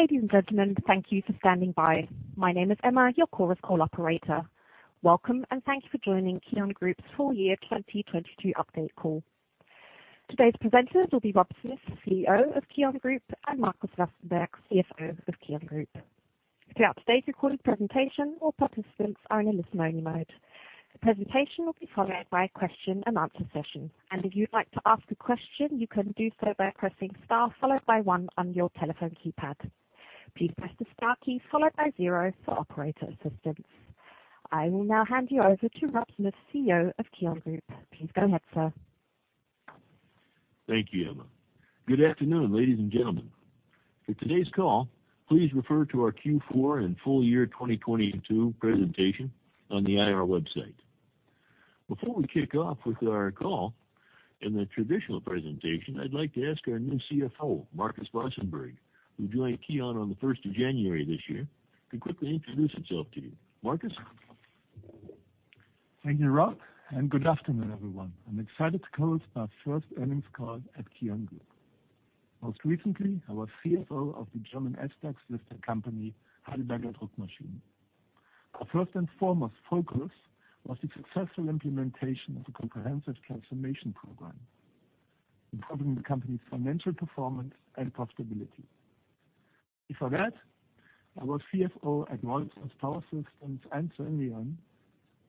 Ladies and gentlemen, thank you for standing by. My name is Emma, your Chorus Call operator. Welcome. Thank you for joining KION Group's full year 2022 update call. Today's presenters will be Rob Smith, CEO of KION Group, and Marcus Wassenberg, CFO of KION Group. Throughout today's recorded presentation, all participants are in a listen-only mode. The presentation will be followed by a question-and-answer session. If you'd like to ask a question, you can do so by pressing Star followed by one on your telephone keypad. Please press the star key followed by zero for operator assistance. I will now hand you over to Rob Smith, CEO of KION Group. Please go ahead, sir. Thank you, Emma. Good afternoon, ladies and gentlemen. For today's call, please refer to our Q4 and full year 2022 presentation on the IR website. Before we kick off with our call in the traditional presentation, I'd like to ask our new CFO, Marcus Wassenberg, who joined KION on the 1st of January this year, to quickly introduce himself to you. Marcus? Thank you, Rob, and good afternoon, everyone. I'm excited to co-host our first earnings call at KION Group. Most recently, I was CFO of the German SDAX-listed company, Heidelberger Druckmaschinen. Our first and foremost focus was the successful implementation of a comprehensive transformation program, improving the company's financial performance and profitability. Before that, I was CFO at Rolls-Royce Power Systems and Senvion.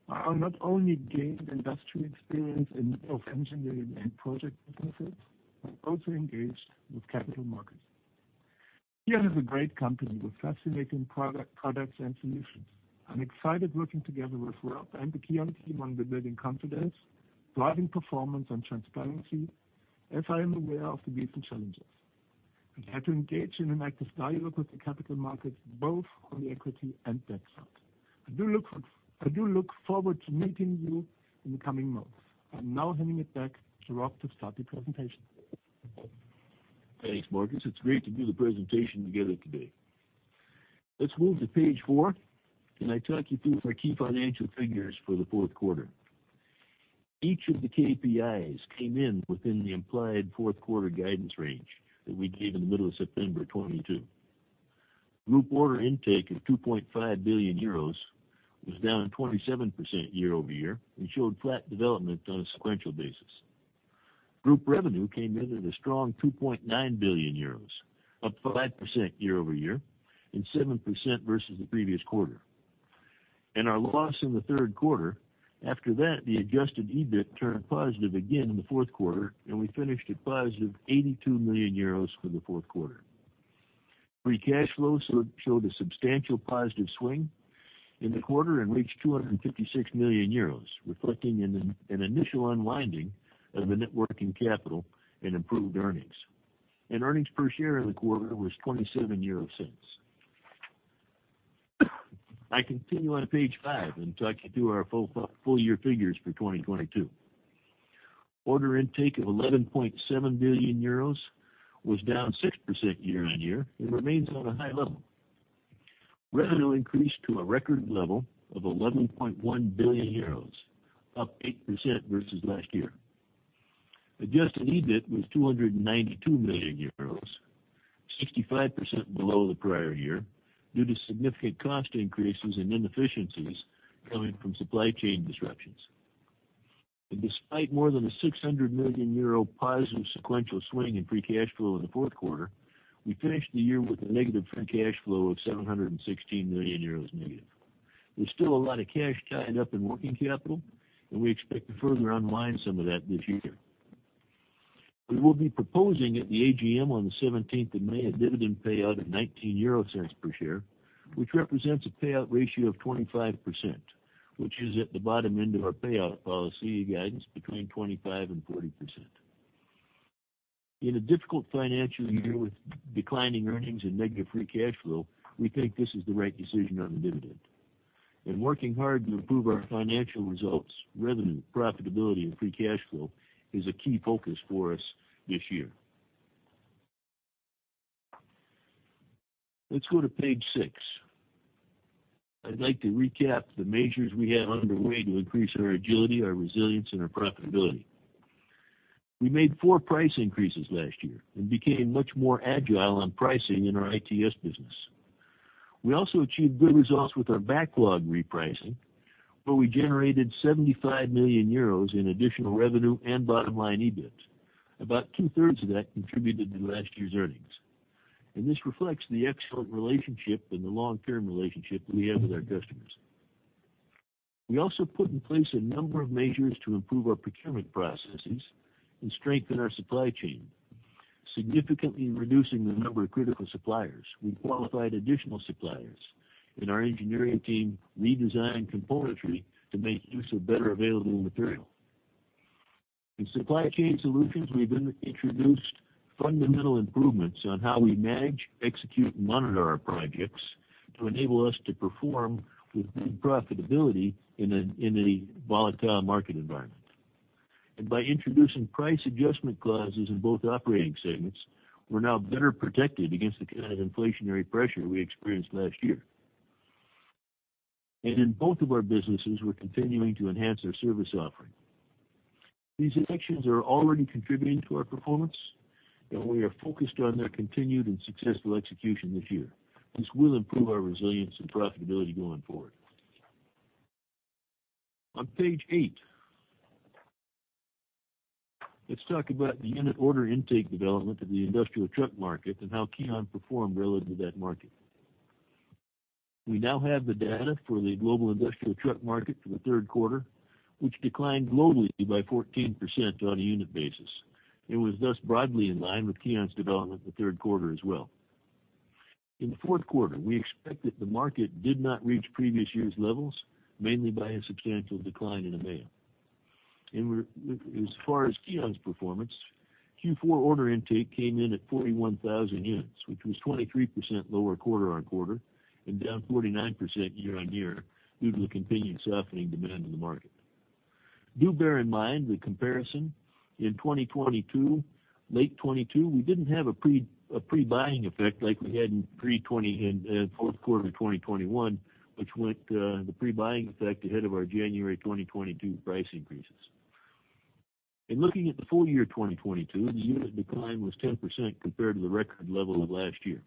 I not only gained industrial experience of engineering and project businesses, but also engaged with capital markets. KION is a great company with fascinating products and solutions. I'm excited working together with Rob and the KION team on rebuilding confidence, driving performance and transparency, as I am aware of the recent challenges. I'm glad to engage in an active dialogue with the capital markets, both on the equity and debt side. I do look forward to meeting you in the coming months. I'm now handing it back to Rob to start the presentation. Thanks, Marcus. It's great to do the presentation together today. Let's move to page four, and I talk you through our key financial figures for the fourth quarter. Each of the KPIs came in within the implied fourth quarter guidance range that we gave in the middle of September 2022. Group order intake of 2.5 billion euros was down 27% year-over-year and showed flat development on a sequential basis. Group revenue came in at a strong 2.9 billion euros, up 5% year-over-year and 7% versus the previous quarter. Our loss in the third quarter, after that, the adjusted EBIT turned positive again in the fourth quarter, and we finished at positive 82 million euros for the fourth quarter. Free cash flow showed a substantial positive swing in the quarter and reached 256 million euros, reflecting an initial unwinding of the net working capital and improved earnings. Earnings per share in the quarter was 0.27. I continue on page five and talk you through our full year figures for 2022. Order intake of 11.7 billion euros was down 6% year-on-year and remains on a high level. Revenue increased to a record level of 11.1 billion euros, up 8% versus last year. Adjusted EBIT was 292 million euros, 65% below the prior year due to significant cost increases and inefficiencies coming from supply chain disruptions. Despite more than a 600 million euro positive sequential swing in free cash flow in the fourth quarter, we finished the year with a negative free cash flow of 716 million euros. There's still a lot of cash tied up in working capital, and we expect to further unwind some of that this year. We will be proposing at the AGM on the 17th of May a dividend payout of 0.19 per share, which represents a payout ratio of 25%, which is at the bottom end of our payout policy guidance between 25% and 40%. In a difficult financial year with declining earnings and negative free cash flow, we think this is the right decision on the dividend. Working hard to improve our financial results, revenue, profitability, and free cash flow is a key focus for us this year. Let's go to page six. I'd like to recap the measures we have underway to increase our agility, our resilience and our profitability. We made four price increases last year and became much more agile on pricing in our ITS business. We also achieved good results with our backlog repricing, where we generated 75 million euros in additional revenue and bottom line EBIT. About two-thirds of that contributed to last year's earnings. This reflects the excellent relationship and the long-term relationship we have with our customers. We also put in place a number of measures to improve our procurement processes and strengthen our supply chain, significantly reducing the number of critical suppliers. We qualified additional suppliers, and our engineering team redesigned componentry to make use of better available material. In supply chain solutions, we've introduced fundamental improvements on how we manage, execute, monitor our projects to enable us to perform with good profitability in a volatile market environment. By introducing price adjustment clauses in both operating segments, we're now better protected against the kind of inflationary pressure we experienced last year. In both of our businesses, we're continuing to enhance our service offering. These actions are already contributing to our performance, and we are focused on their continued and successful execution this year. This will improve our resilience and profitability going forward. On page eight, let's talk about the unit order intake development of the industrial truck market and how KION performed relative to that market. We now have the data for the global industrial truck market for the third quarter, which declined globally by 14% on a unit basis. It was thus broadly in line with KION's development in the third quarter as well. In the fourth quarter, we expect that the market did not reach previous year's levels, mainly by a substantial decline in the mail. As far as KION's performance, Q4 order intake came in at 41,000 units, which was 23% lower quarter-on-quarter and down 49% year-on-year due to the continued softening demand in the market. Do bear in mind the comparison. In 2022, late 2022, we didn't have a pre-buying effect like we had in fourth quarter of 2021, which went the pre-buying effect ahead of our January 2022 price increases. In looking at the full year 2022, the unit decline was 10% compared to the record level of last year.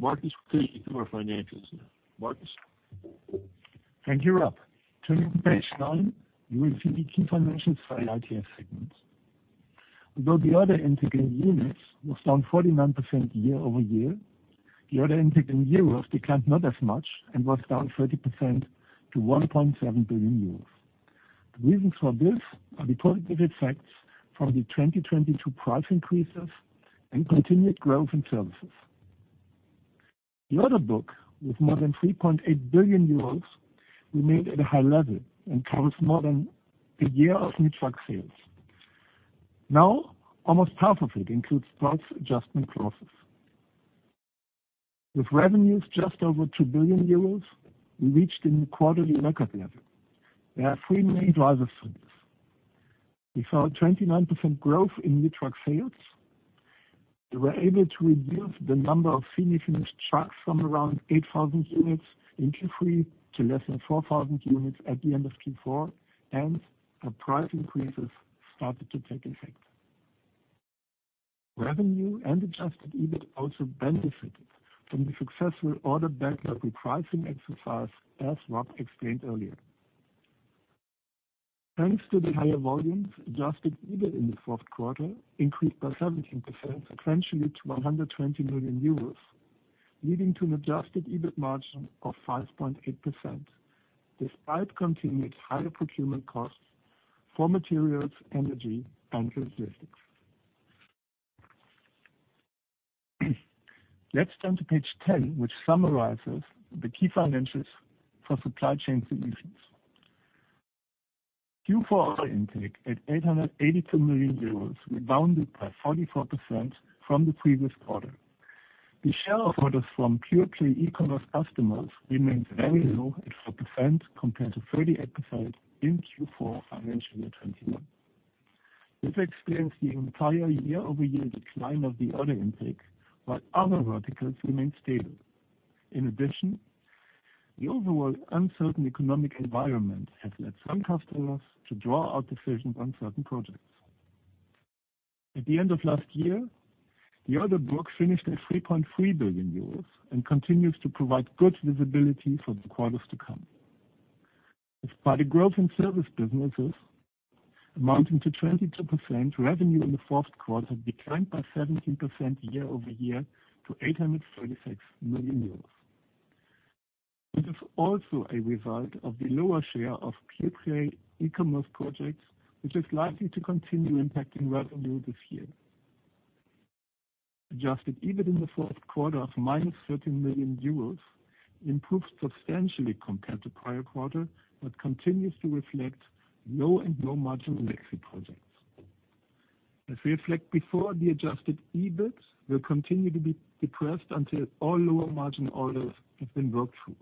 Marcus will take you through our financials now. Marcus. Thank you, Rob. Turning to page nine, you will see the key financials for the ITS segments. Although the order intake in units was down 49% year-over-year, the order intake in EUR declined not as much and was down 30% to 1.7 billion euros. The reasons for this are the positive effects from the 2022 price increases and continued growth in services. The order book with more than 3.8 billion euros remained at a high level and covers more than a year of new truck sales. Almost half of it includes price adjustment clauses. With revenues just over 2 billion euros, we reached a new quarterly record level. There are three main drivers for this. We saw a 29% growth in new truck sales. We were able to reduce the number of semi-finished trucks from around 8,000 units in Q3 to less than 4,000 units at the end of Q4, and our price increases started to take effect. Revenue and adjusted EBIT also benefited from the successful order backlog repricing exercise, as Rob explained earlier. Thanks to the higher volumes, adjusted EBIT in the fourth quarter increased by 17% sequentially to 120 million euros, leading to an adjusted EBIT margin of 5.8%, despite continued higher procurement costs for materials, energy, and logistics. Let's turn to page 10, which summarizes the key financials for supply chain solutions. Q4 order intake at 882 million euros rebounded by 44% from the previous quarter. The share of orders from pure-play e-commerce customers remains very low at 4%, compared to 38% in Q4 of financial year 2021. This explains the entire year-over-year decline of the order intake, while other verticals remain stable. In addition, the overall uncertain economic environment has led some customers to draw out decisions on certain projects. At the end of last year, the order book finished at 3.3 billion euros and continues to provide good visibility for the quarters to come. Despite a growth in service businesses amounting to 22%, revenue in the fourth quarter declined by 17% year-over-year to 836 million euros. It is also a result of the lower share of pure-play e-commerce projects, which is likely to continue impacting revenue this year. Adjusted EBIT in the fourth quarter of minus 13 million euros improved substantially compared to prior quarter but continues to reflect low and low-margin legacy projects. As reflected before, the adjusted EBIT will continue to be depressed until all lower-margin orders have been worked through.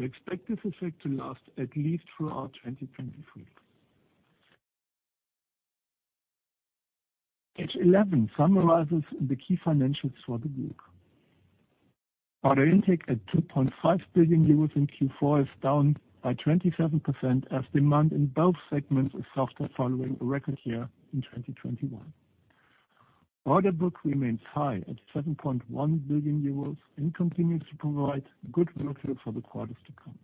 We expect this effect to last at least throughout 2023. Page 11 summarizes the key financials for the group. Order intake at 2.5 billion euros in Q4 is down by 27% as demand in both segments is softer following a record year in 2021. Order book remains high at 7.1 billion euros and continues to provide good visibility for the quarters to come.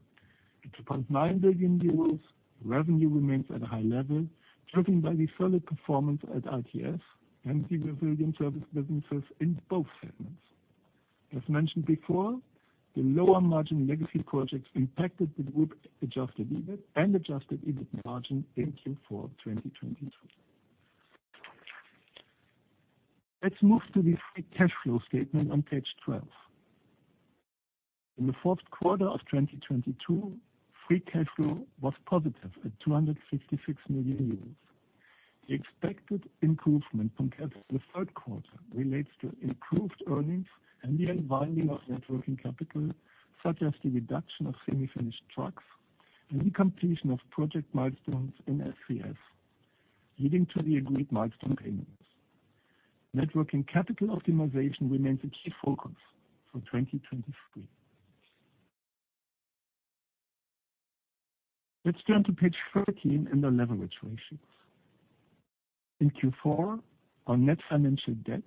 At 2.9 billion euros, revenue remains at a high level, driven by the solid performance at ITS and the resilient service businesses in both segments. As mentioned before, the lower-margin legacy projects impacted the group's adjusted EBIT and adjusted EBIT margin in Q4 2022. Let's move to the free cash flow statement on page 12. In the fourth quarter of 2022, free cash flow was positive at 266 million euros. The expected improvement compared to the third quarter relates to improved earnings and the unwinding of net working capital, such as the reduction of semi-finished trucks and the completion of project milestones in SCS, leading to the agreed milestone payments. Networking capital optimization remains a key focus for 2023. Let's turn to page 13 and our leverage ratios. In Q4, our net financial debt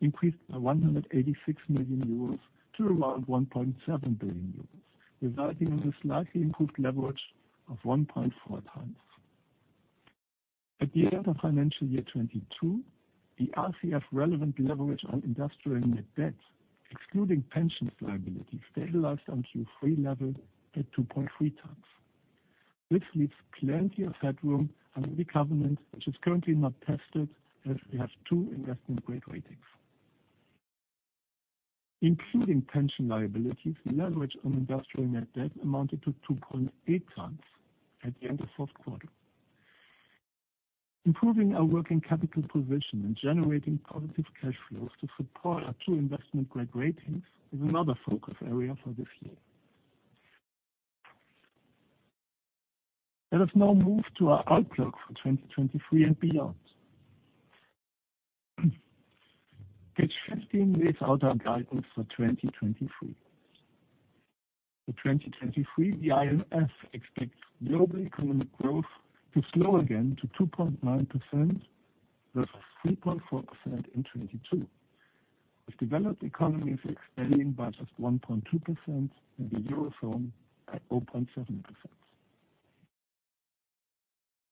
increased by 186 million euros to around 1.7 billion euros, resulting in a slightly improved leverage of 1.4x. At the end of financial year 2022, the RCF relevant leverage on industrial net debt, excluding pension liability, stabilized on Q3 level at 2.3x. This leaves plenty of headroom under the covenant, which is currently not tested, as we have two investment-grade ratings. Including pension liabilities, leverage on industrial net debt amounted to 2.8x at the end of fourth quarter. Improving our working capital position and generating positive cash flows to support our two investment-grade ratings is another focus area for this year. Let us now move to our outlook for 2023 and beyond. Page 15 lays out our guidance for 2023. For 2023, the IMF expects global economic growth to slow again to 2.9% versus 3.4% in 2022, with developed economies expanding by just 1.2% and the Eurozone at 0.7%.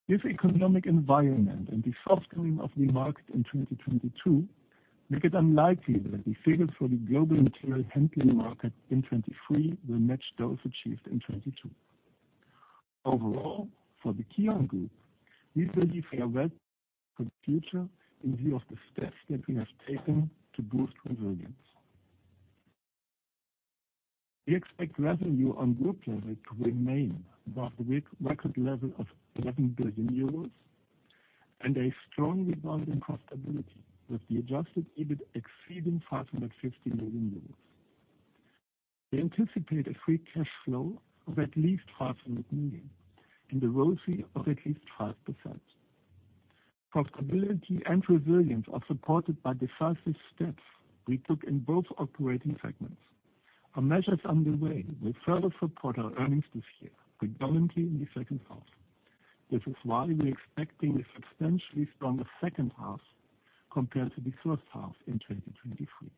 This economic environment and the soft going of the market in 2022 make it unlikely that the figures for the global material handling market in 2023 will match those achieved in 2022. Overall, for the KION Group, we feel well for the future in view of the steps that we have taken to boost resilience. We expect revenue on group level to remain above the record level of 11 billion euros and a strong resulting profitability, with the adjusted EBIT exceeding 550 million euros. We anticipate a free cash flow of at least 500 million and a ROCE of at least 12%. Profitability and resilience are supported by decisive steps we took in both operating segments. Our measures underway will further support our earnings this year, predominantly in the second half. This is why we're expecting a substantially stronger second half compared to the first half in 2023.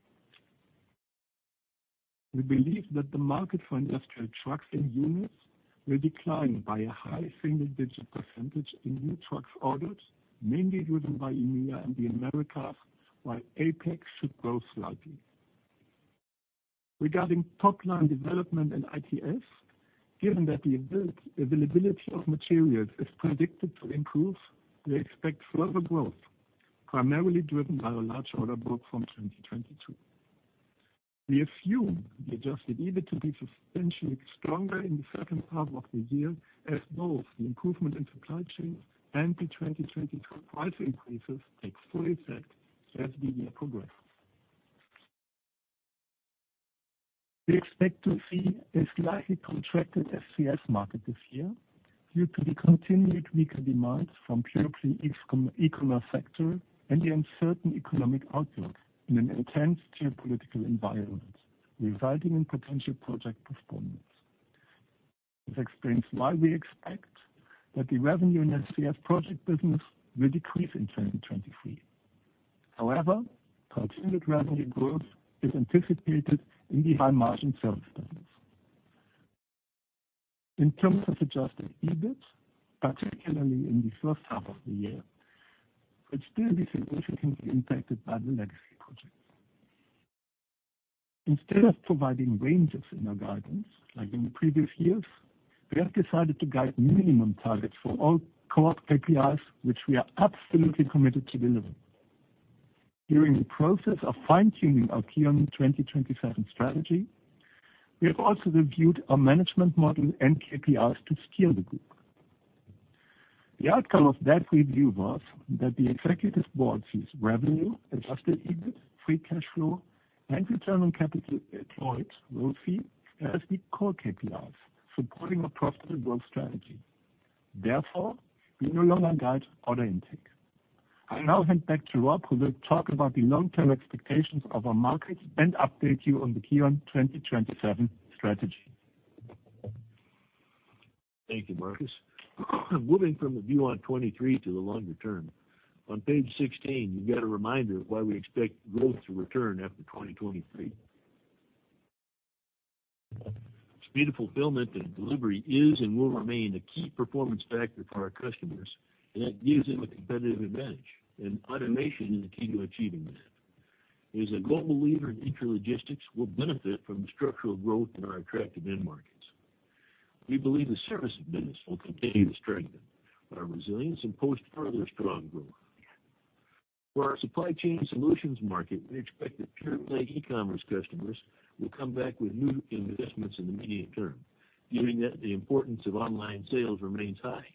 We believe that the market for industrial trucks and units will decline by a high single-digit % in new trucks orders, mainly driven by EMEA and the Americas, while APAC should grow slightly. Regarding top-line development in ITS, given that the availability of materials is predicted to improve, we expect further growth, primarily driven by a large order book from 2022. We assume the adjusted EBIT to be substantially stronger in the second half of the year as both the improvement in supply chain and the 2022 price increases take full effect as the year progresses. We expect to see a slightly contracted SCS market this year due to the continued weaker demands from purely e-commerce sector and the uncertain economic outlook in an intense geopolitical environment, resulting in potential project postponements. This explains why we expect that the revenue in SCS project business will decrease in 2023. However, continued revenue growth is anticipated in the high-margin service business. In terms of adjusted EBIT, particularly in the first half of the year, will still be significantly impacted by the legacy projects. Instead of providing ranges in our guidance, like in the previous years, we have decided to guide minimum targets for all core KPIs, which we are absolutely committed to deliver. During the process of fine-tuning our KION 2027 strategy, we have also reviewed our management model and KPIs to steer the group. The outcome of that review was that the executive board sees revenue, adjusted EBIT, free cash flow, and return on capital employed, ROCE, as the core KPIs supporting a profitable growth strategy. We no longer guide order intake. I now hand back to Rob, who will talk about the long-term expectations of our markets and update you on the KION 2027 strategy. Thank you, Marcus. Moving from the view on 2023 to the longer term. On page 16, you get a reminder of why we expect growth to return after 2023. Speed of fulfillment and delivery is and will remain a key performance factor for our customers, and that gives them a competitive advantage, and automation is the key to achieving that. As a global leader in intralogistics, we'll benefit from the structural growth in our attractive end markets. We believe the service business will continue to strengthen our resilience and post further strong growth. For our supply chain solutions market, we expect that pure-play e-commerce customers will come back with new investments in the medium term, given that the importance of online sales remains high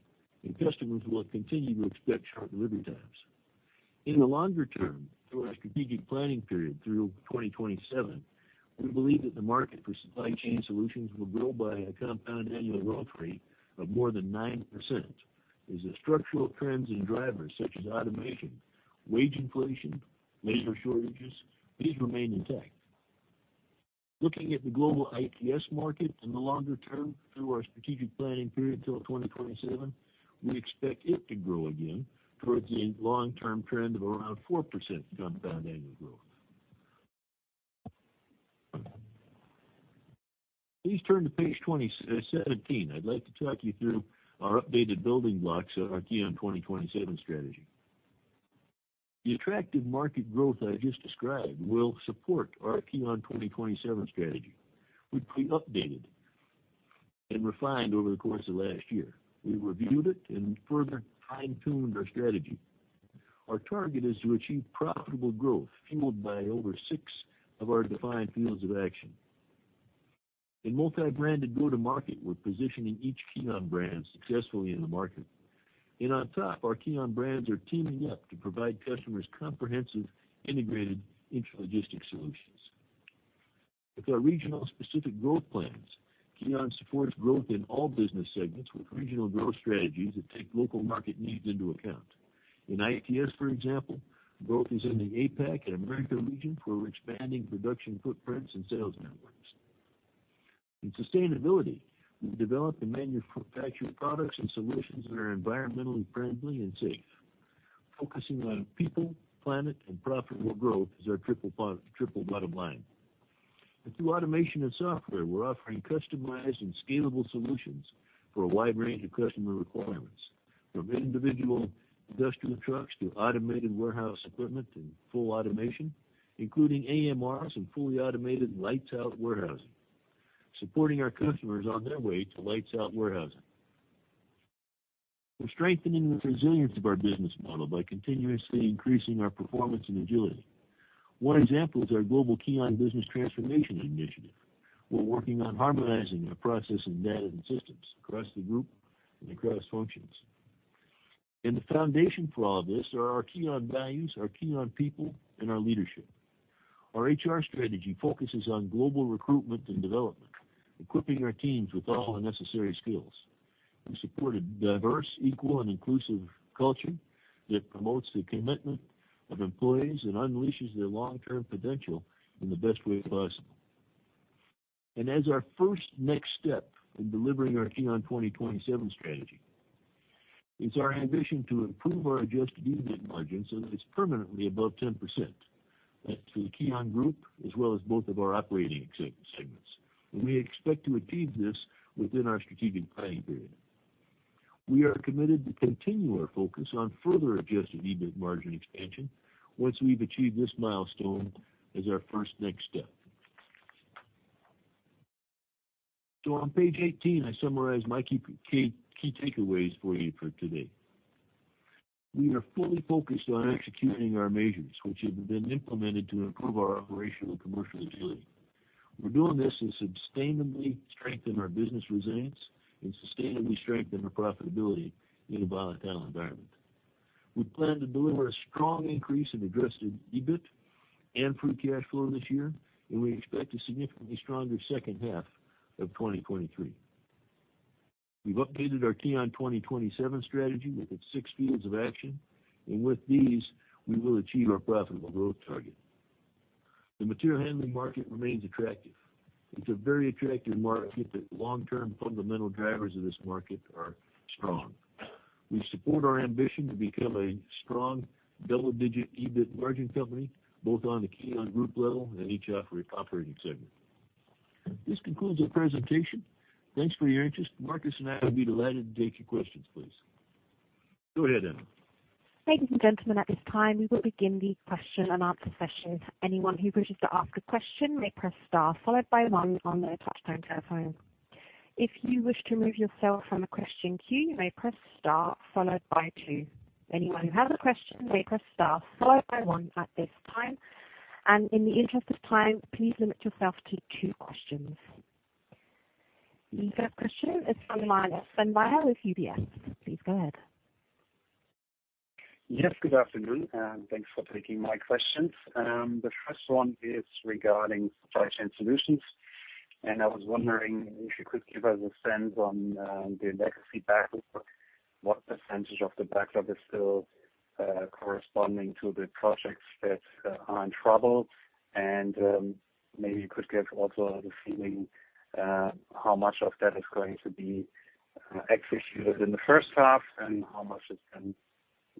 and customers will continue to expect short delivery times. In the longer term, through our strategic planning period through 2027, we believe that the market for supply chain solutions will grow by a compound annual growth rate of more than 9%. Is the structural trends and drivers such as automation, wage inflation, labor shortages, these remain intact. Looking at the global ITS market in the longer term through our strategic planning period till 2027, we expect it to grow again towards the long-term trend of around 4% compound annual growth. Please turn to page 17. I'd like to talk you through our updated building blocks, our KION 2027 strategy. The attractive market growth I just described will support our KION 2027 strategy. We've updated and refined over the course of last year. We reviewed it and further fine-tuned our strategy. Our target is to achieve profitable growth fueled by over six of our defined fields of action. In multi-branded go-to-market, we're positioning each KION brand successfully in the market. On top, our KION brands are teaming up to provide customers comprehensive integrated intralogistics solutions. With our regional specific growth plans, KION supports growth in all business segments with regional growth strategies that take local market needs into account. In ITS, for example, growth is in the APAC and America region, where we're expanding production footprints and sales networks. In sustainability, we've developed and manufacture products and solutions that are environmentally friendly and safe. Focusing on people, planet, and profitable growth is our triple bottom line. Through automation and software, we're offering customized and scalable solutions for a wide range of customer requirements, from individual industrial trucks to automated warehouse equipment and full automation, including AMRs and fully automated lights-out warehousing, supporting our customers on their way to lights-out warehousing. We're strengthening the resilience of our business model by continuously increasing our performance and agility. One example is our global KION Business Transformation Initiative. We're working on harmonizing our process and data and systems across the group and across functions. The foundation for all this are our KION values, our KION people, and our leadership. Our HR strategy focuses on global recruitment and development, equipping our teams with all the necessary skills. We support a diverse, equal, and inclusive culture that promotes the commitment of employees and unleashes their long-term potential in the best way possible. As our first next step in delivering our KION 2027 strategy, it's our ambition to improve our adjusted EBIT margin so that it's permanently above 10%. That's the KION Group as well as both of our operating segments. We expect to achieve this within our strategic planning period. We are committed to continue our focus on further adjusted EBIT margin expansion once we've achieved this milestone as our first next step. On page 18, I summarized my key takeaways for you for today. We are fully focused on executing our measures, which have been implemented to improve our operational commercial agility. We're doing this to sustainably strengthen our business resilience and sustainably strengthen our profitability in a volatile environment. We plan to deliver a strong increase in adjusted EBIT and free cash flow this year. We expect a significantly stronger second half of 2023. We've updated our KION 2027 strategy with its six fields of action. With these, we will achieve our profitable growth target. The material handling market remains attractive. It's a very attractive market. The long-term fundamental drivers of this market are strong. We support our ambition to become a strong double-digit EBIT margin company, both on the KION Group level and each operating segment. This concludes the presentation. Thanks for your interest. Marcus and I will be delighted to take your questions, please. Go ahead, Emma. Ladies and gentlemen, at this time, we will begin the question and answer session. Anyone who wishes to ask a question may press star followed by one on their touch-tone telephone. If you wish to remove yourself from a question queue, you may press star followed by two. Anyone who has a question may press star followed by one at this time. In the interest of time, please limit yourself to two questions. The first question is from Sven Weier with UBS. Please go ahead. Yes, good afternoon, and thanks for taking my questions. The first one is regarding supply chain solutions. I was wondering if you could give us a sense on the legacy backlog, what percentage of the backlog is still corresponding to the projects that are in trouble. Maybe you could give also the feeling how much of that is going to be executed in the first half and how much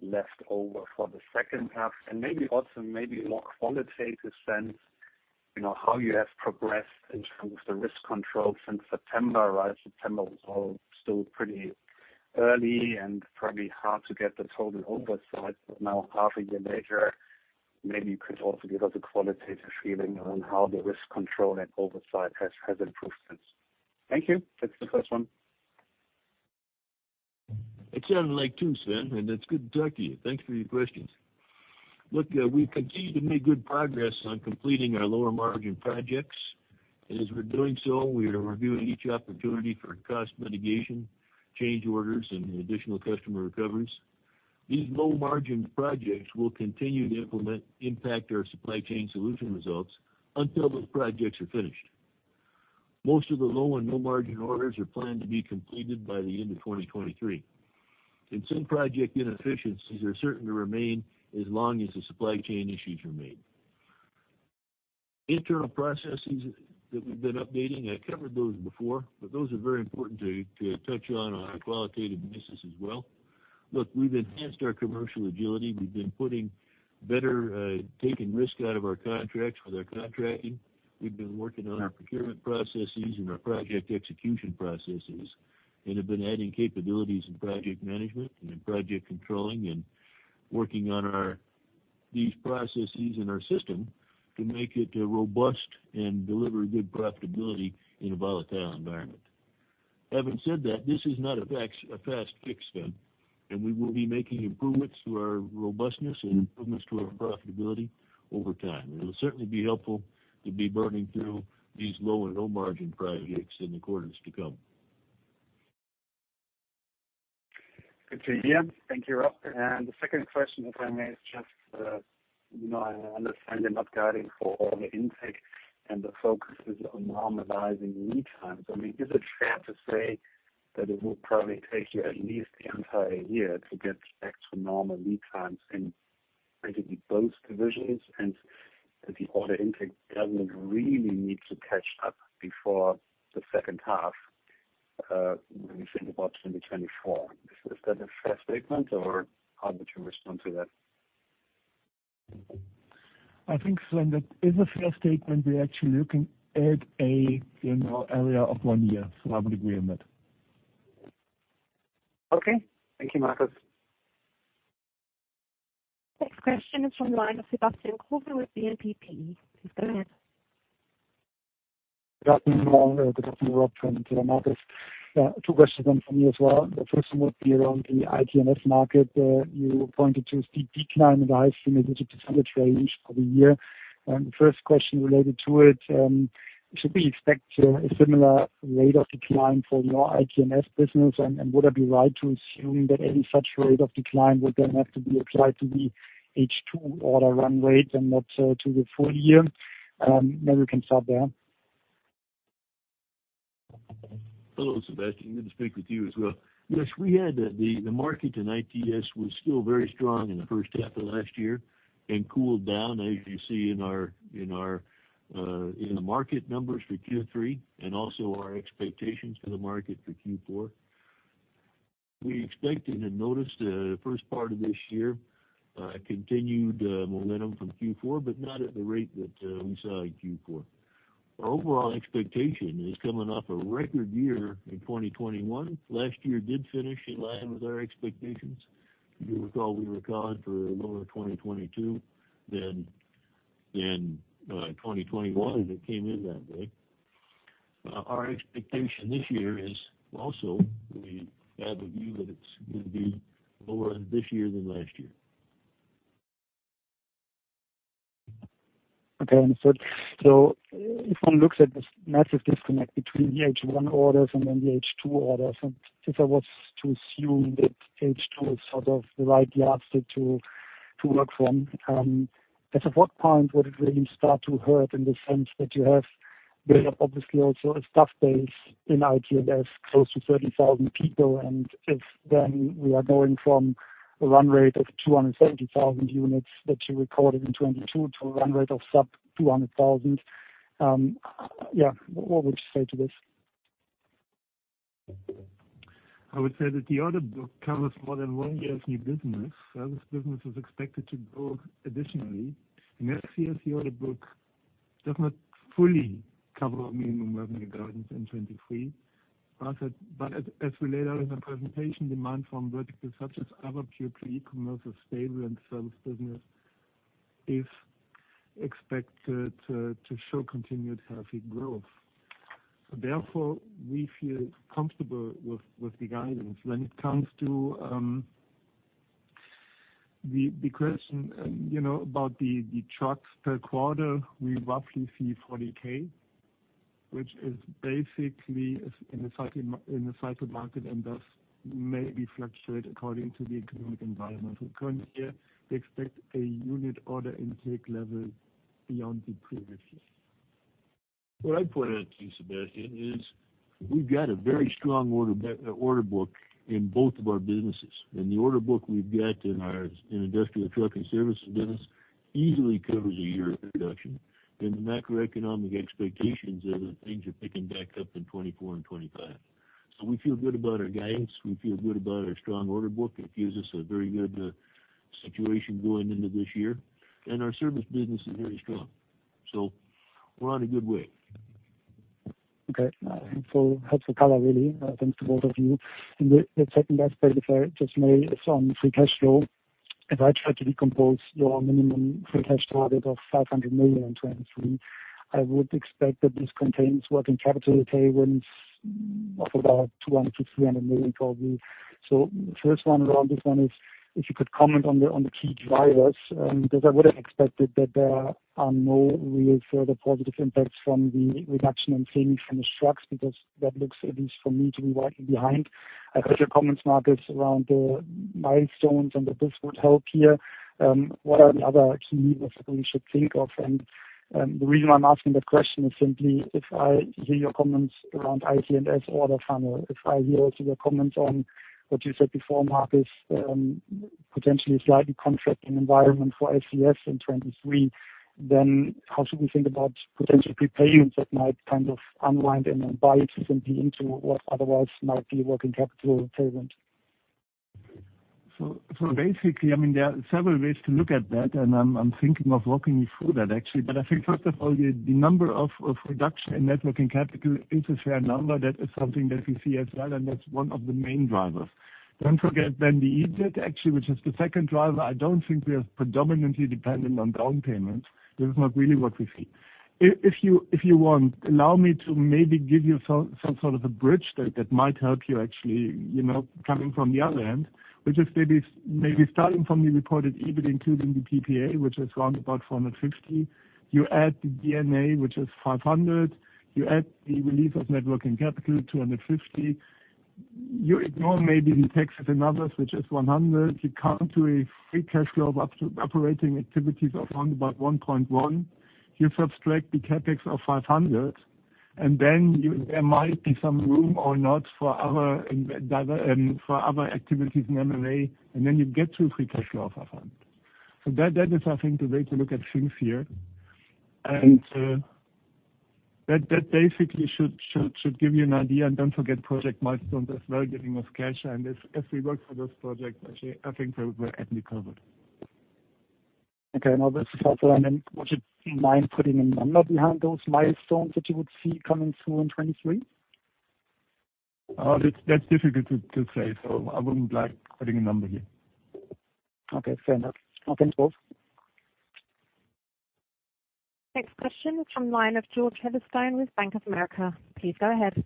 has been left over for the second half. Maybe also more qualitative sense, you know, how you have progressed in terms of the risk control since September, right? September was all still pretty early and probably hard to get the total oversight. Now half a year later, maybe you could also give us a qualitative feeling on how the risk control and oversight has improved since. Thank you. That's the first one. It sounds like two, Sven, it's good to talk to you. Thanks for your questions. Look, we continue to make good progress on completing our lower margin projects. As we're doing so, we are reviewing each opportunity for cost mitigation, change orders, and additional customer recoveries. These low margin projects will continue to impact our Supply Chain Solutions results until those projects are finished. Most of the low and no margin orders are planned to be completed by the end of 2023. Some project inefficiencies are certain to remain as long as the supply chain issues remain. Internal processes that we've been updating, I covered those before, but those are very important to touch on a qualitative basis as well. Look, we've enhanced our commercial agility. We've been taking risk out of our contracts with our contracting. We've been working on our procurement processes and our project execution processes, and have been adding capabilities in project management and in project controlling, and working on these processes in our system to make it robust and deliver good profitability in a volatile environment. Having said that, this is not a fast fix then. We will be making improvements to our robustness and improvements to our profitability over time. It'll certainly be helpful to be burning through these low and no margin projects in the quarters to come. Good to hear. Thank you, Rob. The second question that I made, just, you know, I understand you're not guiding for the intake, and the focus is on normalizing lead times. I mean, is it fair to say that it will probably take you at least the entire year to get back to normal lead times in basically both divisions, and that the order intake doesn't really need to catch up before the second half, when you think about 2024? Is that a fair statement or how would you respond to that? I think, Sven, that is a fair statement. We are actually looking at a, you know, area of one year. I would agree on that. Okay. Thank you, Marcus. Next question is from the line of Sebastian Growe with BNPP. Please go ahead. Good afternoon, all. Sebastian Growe. Two questions from me as well. The first one would be around the ITS market. You pointed to a steep decline in the high single-digit % range for the year. The first question related to it, should we expect a similar rate of decline for your ITS business? Would I be right to assume that any such rate of decline would then have to be applied to the H2 order run rate and not to the full year? Maybe we can start there. Hello, Sebastian. Good to speak with you as well. Yes, we had the market in ITS was still very strong in the first half of last year and cooled down, as you see in our, in our, in the market numbers for Q3 and also our expectations for the market for Q4. We expected and noticed, first part of this year, a continued momentum from Q4, but not at the rate that we saw in Q4. Our overall expectation is coming off a record year in 2021. Last year did finish in line with our expectations. You recall we were calling for a lower 2022 than 2021, and it came in that way. Our expectation this year is also we have a view that it's gonna be lower this year than last year. Okay. If one looks at this massive disconnect between the H1 orders and then the H2 orders. If I was to assume that H2 is sort of the right yardstick to work from, at what point would it really start to hurt in the sense that you have built up obviously also a staff base in ITS, close to 30,000 people. If then we are going from a run rate of 270,000 units that you recorded in 2022 to a run rate of sub 200,000, yeah, what would you say to this? I would say that the order book covers more than one year of new business. Service business is expected to grow additionally. Yes, the order book does not fully cover our minimum revenue guidance in 2023. As we laid out in the presentation, demand from verticals such as other pure-play e-commerce are stable and service business is expected to show continued healthy growth. Therefore, we feel comfortable with the guidance. When it comes to the question, you know, about the trucks per quarter, we roughly see 40K, which is basically in a cycle market and thus may be fluctuate according to the economic environment. Currently, yeah, we expect a unit order intake level beyond the previous year. What I'd point out to you, Sebastian, is we've got a very strong order book in both of our businesses. The order book we've got in our, in industrial trucking service business easily covers a year of production. The macroeconomic expectations are that things are picking back up in 2024 and 2025. We feel good about our guidance. We feel good about our strong order book. It gives us a very good situation going into this year. Our service business is very strong. We're on a good way. Okay. helpful color really. thanks to both of you. The, the second last part, if I just may, is on free cash flow. If I try to decompose your minimum free cash flow target of 500 million in 2023, I would expect that this contains working capital payments of about 200 million-300 million probably. First one, Rob, this one is if you could comment on the, on the key drivers, because I would have expected that there are no real further positive impacts from the reduction in cleaning from the trucks because that looks at least for me to be right behind. I've heard your comments, Marcus, around the milestones and that this would help here. What are the other key levers that we should think of? The reason why I'm asking that question is simply if I hear your comments around ITS order funnel, if I hear also your comments on what you said before, Marcus, potentially slightly contracting environment for SCS in 2023, how should we think about potential prepayments that might kind of unwind and buy into what otherwise might be working capital payment? Basically, I mean, there are several ways to look at that and I'm thinking of walking you through that actually. I think first of all, the number of reduction in networking capital is a fair number. That is something that we see as well, and that's one of the main drivers. Don't forget then the EBIT actually, which is the second driver. I don't think we are predominantly dependent on down payments. This is not really what we see. If you want, allow me to maybe give you some sort of a bridge that might help you actually, you know, coming from the other end, which is maybe starting from the reported EBIT including the PPA, which is around about 450. You add the D&A, which is 500, you add the relief of networking capital, 250. You ignore maybe the taxes and others, which is 100. You come to a free cash flow of operating activities of around about 1.1. You subtract the CapEx of 500, and then there might be some room or not for other activities in M&A, and then you get to a free cash flow of EUR 100. That is I think the way to look at things here. That basically should give you an idea. Don't forget project milestone as well, giving us cash. As we work for those projects, actually I think we're amply covered. Okay. No, that's helpful. Then would you mind putting a number behind those milestones that you would see coming through in 2023? That's difficult to say. I wouldn't like putting a number here. Okay. Fair enough. I'll turn the call. Next question from line of George Featherstone with Bank of America. Please go ahead.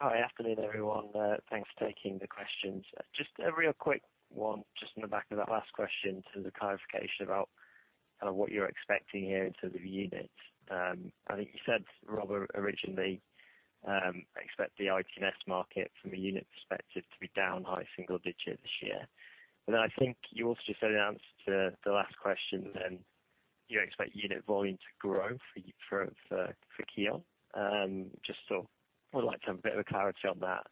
Hi. Afternoon, everyone. Thanks for taking the questions. Just a real quick one just on the back of that last question to the clarification about what you're expecting here in terms of units. I think you said, Robert, originally, expect the ITS market from a unit perspective to be down high single digits this year. I think you also said in answer to the last question, you expect unit volume to grow for KION. Just would like to have a bit of a clarity on that.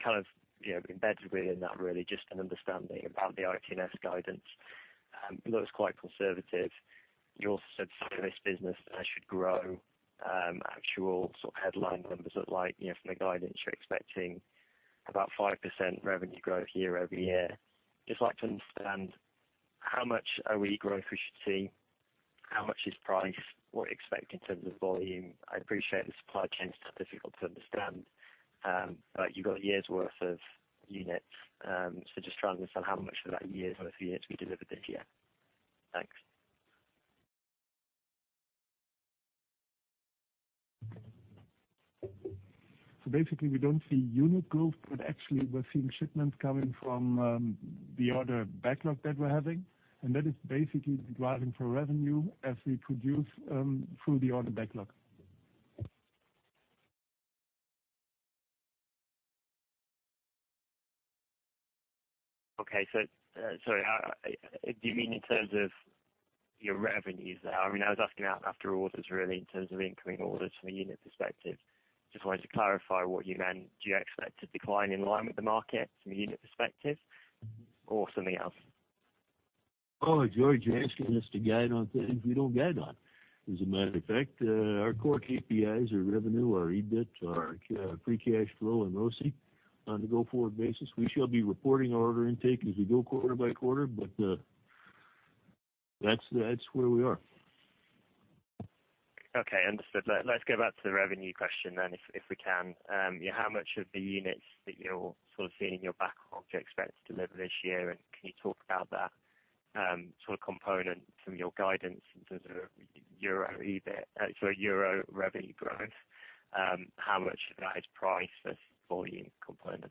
Kind of, you know, embedded within that really just an understanding about the ITS guidance looks quite conservative. You also said service business should grow, actual sort of headline numbers look like, you know, from the guidance you're expecting about 5% revenue growth year-over-year. Just like to understand how much are we growth we should see? How much is price? What do you expect in terms of volume? I appreciate the supply chain is difficult to understand, but you've got years worth of units. Just trying to understand how much of that years worth of units will be delivered this year. Thanks. Basically we don't see unit growth, but actually we're seeing shipments coming from the order backlog that we're having. That is basically driving for revenue as we produce through the order backlog. Okay. Sorry. Do you mean in terms of your revenues there? I mean, I was asking after orders really in terms of incoming orders from a unit perspective. Just wanted to clarify what you meant. Do you expect to decline in line with the market from a unit perspective or something else? Oh, George, you're asking us to guide on things we don't guide on. As a matter of fact, our core KPIs are revenue, our EBIT, our free cash flow and ROC on the go-forward basis. We shall be reporting our order intake as we go quarter by quarter. That's where we are. Okay, understood. Let's go back to the revenue question then if we can. How much of the units that you're sort of seeing in your backlog do you expect to deliver this year? Can you talk about that sort of component from your guidance in terms of EUR EBIT, sorry, EUR revenue growth? How much of that is price versus volume component?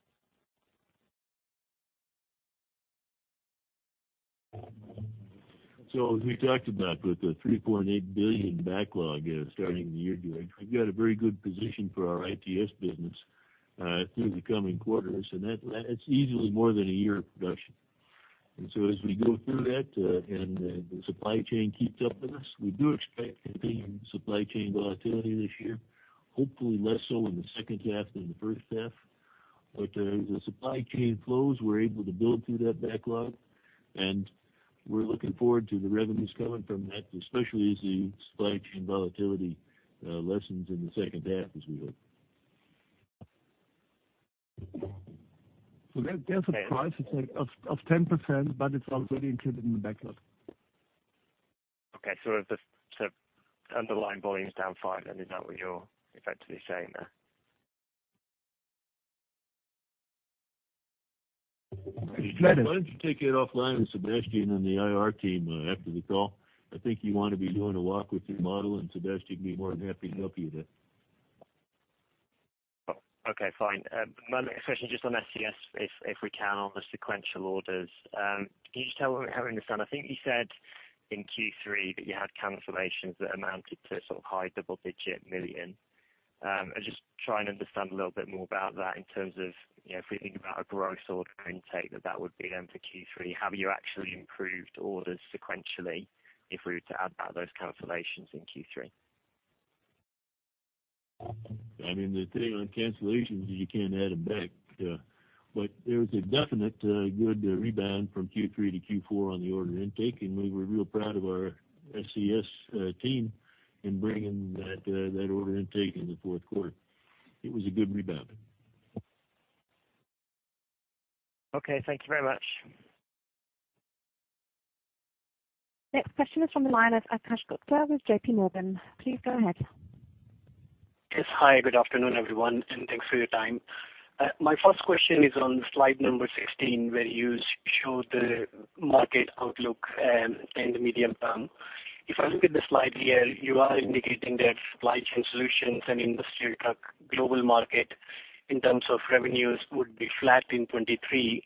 As we talked about with the 3.8 billion backlog, starting the year, George, we've got a very good position for our ITS business, through the coming quarters, and that's easily more than a year of production. As we go through that, and the supply chain keeps up with us, we do expect continued supply chain volatility this year, hopefully less so in the second half than the first half. As the supply chain flows, we're able to build through that backlog. We're looking forward to the revenues coming from that, especially as the supply chain volatility lessens in the second half as we look. There's a price of 10%, but it's already included in the backlog. Okay. If underlying volume is down 5%, is that what you're effectively saying there? Why don't you take it offline with Sebastian and the IR team after the call? I think you want to be doing a walk with your model, Sebastian would be more than happy to help you there. Okay, fine. My next question just on SCS, if we can, on the sequential orders. Can you just tell how we understand? I think you said in Q3 that you had cancellations that amounted to sort of EUR high double digit million. I just try and understand a little bit more about that in terms of, you know, if we think about a gross order intake, that would be then for Q3. Have you actually improved orders sequentially if we were to add back those cancellations in Q3? I mean, the thing on cancellations is you can't add them back. There was a definite, good rebound from Q3 to Q4 on the order intake, and we were real proud of our SCS team in bringing that that order intake in the fourth quarter. It was a good rebound. Okay, thank you very much. Next question is from the line of Akash Gupta with J.P. Morgan. Please go ahead. Yes. Hi, good afternoon, everyone, and thanks for your time. My first question is on slide number 16, where you show the market outlook in the medium term. If I look at the slide here, you are indicating that supply chain solutions and industrial truck global market in terms of revenues would be flat in 2023.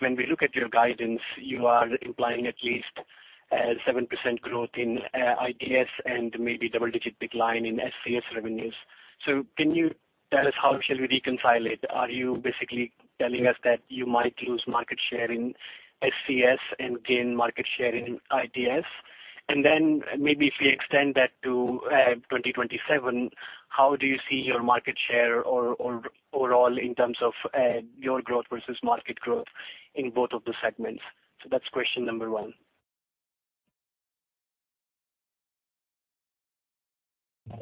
When we look at your guidance, you are implying at least 7% growth in ITS and maybe double-digit decline in SCS revenues. Can you tell us how shall we reconcile it? Are you basically telling us that you might lose market share in SCS and gain market share in ITS? Then maybe if we extend that to 2027, how do you see your market share or overall in terms of your growth versus market growth in both of the segments? That's question number one.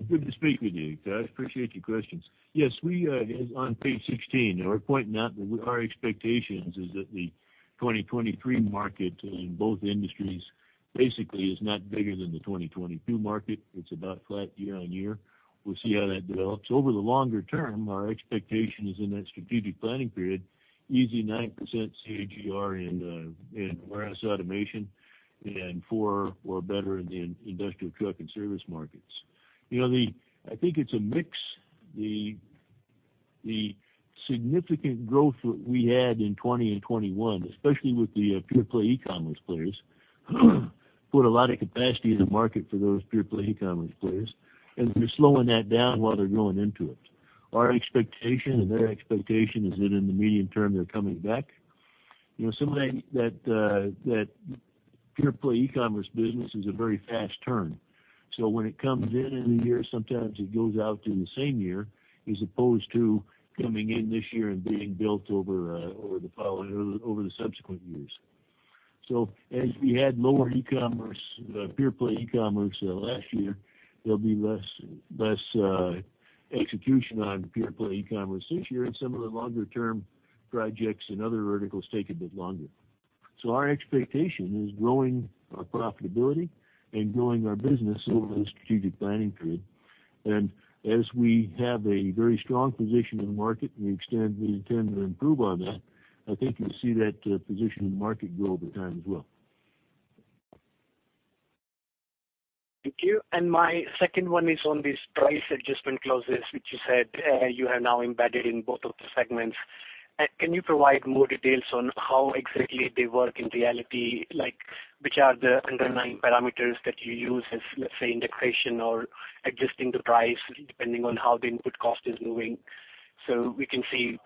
Good to speak with you. I appreciate your questions. Yes, we on page 16, we're pointing out that our expectations is that the 2023 market in both industries basically is not bigger than the 2022 market. It's about flat year-over-year. We'll see how that develops. Over the longer term, our expectation is in that strategic planning period, easy 9% CAGR in warehouse automation and 4 or better in industrial truck and service markets. You know, I think it's a mix. The significant growth that we had in 2020 and 2021, especially with the pure-play e-commerce players, put a lot of capacity in the market for those pure-play e-commerce players, and they're slowing that down while they're growing into it. Our expectation and their expectation is that in the medium term they're coming back. You know, some of that pure-play e-commerce business is a very fast turn. When it comes in in a year, sometimes it goes out in the same year, as opposed to coming in this year and being built over the subsequent years. As we had lower e-commerce, pure-play e-commerce last year, there'll be less execution on pure-play e-commerce this year, and some of the longer term projects and other verticals take a bit longer. Our expectation is growing our profitability and growing our business over the strategic planning period. As we have a very strong position in the market, we intend to improve on that. I think you'll see that position in the market grow over time as well. Thank you. My second one is on these price adjustment clauses, which you said, you have now embedded in both of the segments. Can you provide more details on how exactly they work in reality? Like, which are the underlying parameters that you use as, let's say, inflation or adjusting the price depending on how the input cost is moving, so we can see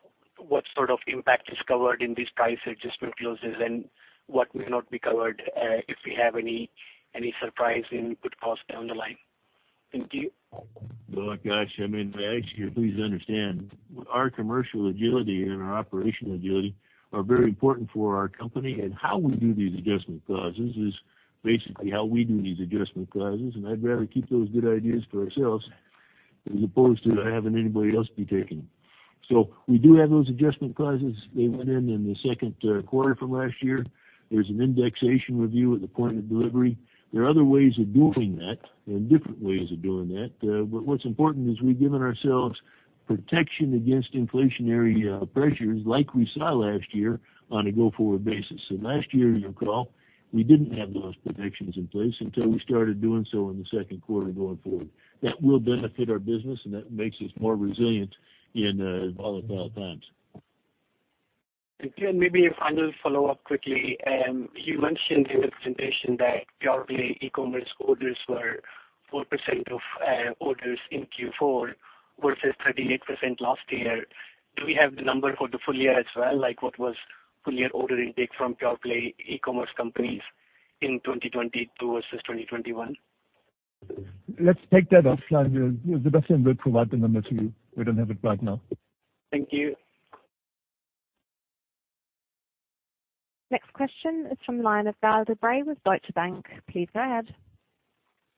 what sort of impact is covered in these price adjustment clauses and what may not be covered, if we have any surprise in input cost down the line. Thank you. Well, gosh, I mean, I ask you to please understand, our commercial agility and our operational agility are very important for our company, and how we do these adjustment clauses is basically how we do these adjustment clauses, and I'd rather keep those good ideas for ourselves as opposed to having anybody else be taking them. We do have those adjustment clauses. They went in in the second quarter from last year. There's an indexation review at the point of delivery. There are other ways of doing that and different ways of doing that, but what's important is we've given ourselves protection against inflationary pressures like we saw last year on a go forward basis. Last year, you'll recall, we didn't have those protections in place until we started doing so in the second quarter going forward. That will benefit our business, and that makes us more resilient in volatile times. Again, maybe a final follow up quickly. You mentioned in the presentation that pure-play e-commerce orders were 4% of orders in Q4 versus 38% last year. Do we have the number for the full year as well? Like, what was full year order intake from pure-play e-commerce companies in 2022 versus 2021? Let's take that offline. Sebastian will provide the number to you. We don't have it right now. Thank you. Next question is from line of Gael de Bray with Deutsche Bank. Please go ahead.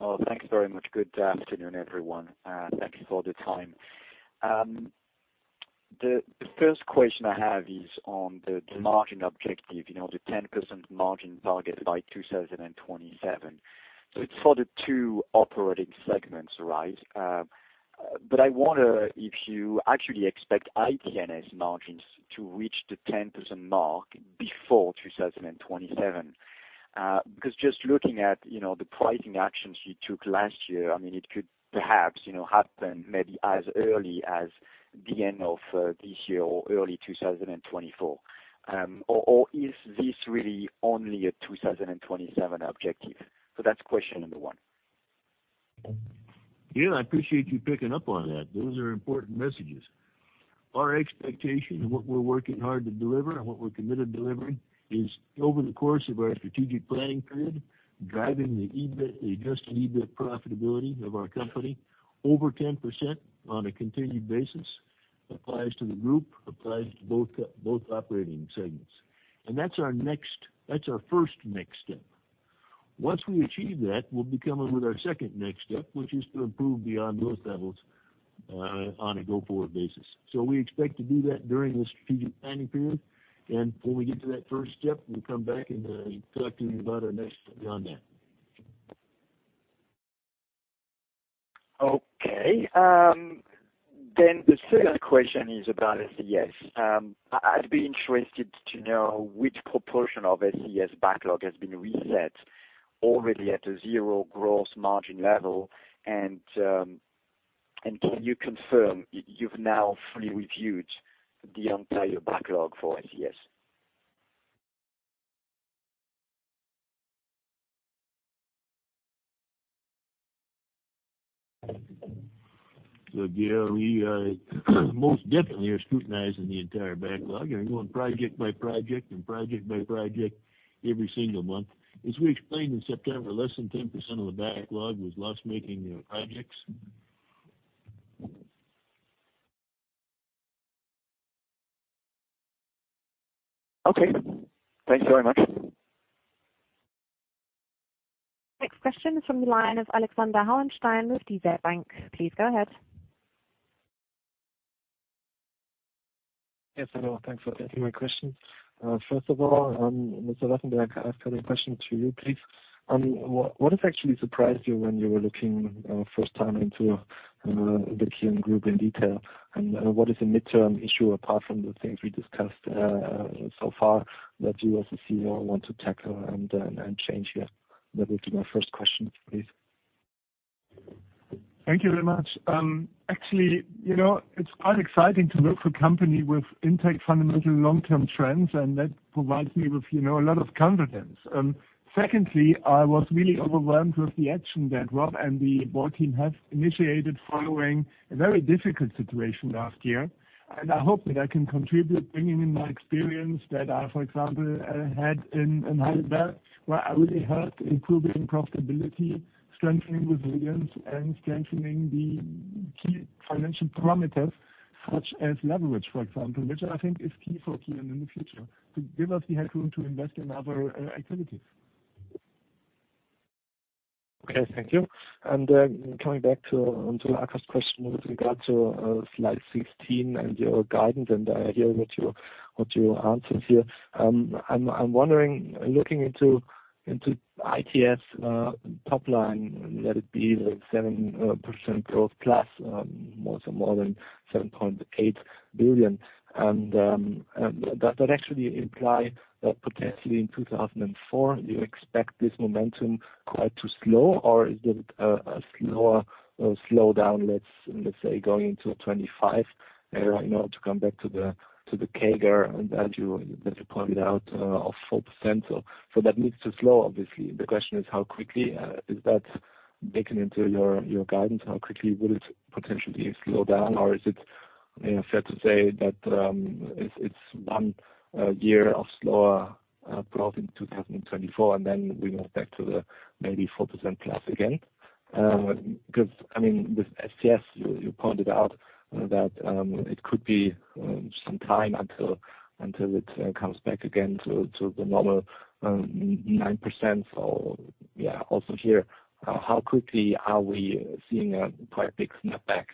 Oh, thanks very much. Good afternoon, everyone. Thank you for the time. The first question I have is on the margin objective, you know, the 10% margin target by 2027. It's for the two operating segments, right? I wonder if you actually expect ITS margins to reach the 10% mark before 2027. Just looking at, you know, the pricing actions you took last year, I mean, it could perhaps, you know, happen maybe as early as the end of this year or early 2024. Is this really only a 2027 objective? That's question number one. Yeah, I appreciate you picking up on that. Those are important messages. Our expectation and what we're working hard to deliver and what we're committed delivering is over the course of our strategic planning period, driving the EBIT, the adjusted EBIT profitability of our company over 10% on a continued basis. Applies to the group, applies to both operating segments. That's our first next step. Once we achieve that, we'll be coming with our second next step, which is to improve beyond those levels on a go-forward basis. We expect to do that during the strategic planning period, and when we get to that first step, we'll come back and talk to you about our next step beyond that. Okay. The second question is about SCS. I'd be interested to know which proportion of SCS backlog has been reset already at a zero gross margin level. Can you confirm you've now fully reviewed the entire backlog for SCS? Look, yeah, we most definitely are scrutinizing the entire backlog and going project by project every single month. As we explained in September, less than 10% of the backlog was loss-making, you know, projects. Okay. Thanks very much. Next question is from the line of Alexander Hauenstein with DZ Bank. Please go ahead. Yes, hello. Thanks for taking my question. First of all, Mr. Wassenberg, I have a question to you, please. What has actually surprised you when you were looking first time into the KION Group in detail? What is the midterm issue apart from the things we discussed so far that you as a CFO want to tackle and change here? That was my first question, please. Thank you very much. Actually, you know, it's quite exciting to work for a company with intact fundamental long-term trends, and that provides me with, you know, a lot of confidence. Secondly, I was really overwhelmed with the action that Rob and the board team have initiated following a very difficult situation last year. I hope that I can contribute bringing in my experience that I, for example, had in Heidelberg, where I really helped improving profitability, strengthening resilience, and strengthening the key financial parameters such as leverage, for example, which I think is key for KION in the future to give us the headroom to invest in other activities. Okay, thank you. Coming back to Akash question with regard to slide 16 and your guidance, and I hear what your answer is here. I'm wondering, looking into ITS top line, let it be the 7% growth plus, more so more than 7.8 billion. Does that actually imply that potentially in 2004, you expect this momentum quite to slow? Or is it a slower slowdown, let's say, going into 2025 era, you know, to come back to the CAGR that you pointed out of 4%? That needs to slow, obviously. The question is how quickly is that baked into your guidance, how quickly will it potentially slow down? Is it, you know, fair to say that it's one year of slower growth in 2024, and then we went back to the maybe 4% plus again? 'Cause I mean, with SCS, you pointed out that it could be some time until it comes back again to the normal 9%. Also here, how quickly are we seeing a quite big snapback?